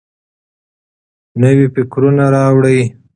نوي فکرونه راوړئ.